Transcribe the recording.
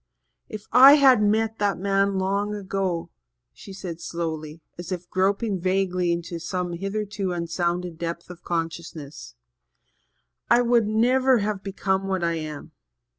"If I had met that man long ago," she said slowly, as if groping vaguely in some hitherto unsounded depth of consciousness, "I would never have become what I am.